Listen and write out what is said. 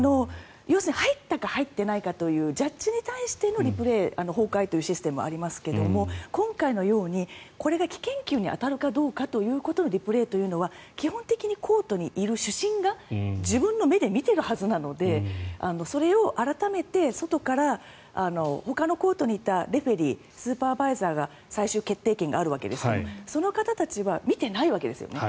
要するに入ったか入っていないかというジャッジに対してのリプレーというシステムはありますが今回のように、これが危険球に当たるかどうかということのリプレーというのは、基本的にコートにいる主審が自分の目で見ているはずなのでそれを改めて外から外のコートにいたレフェリースーパーバイザーが最終決定権があるわけですがその方たちは見てないわけですよね。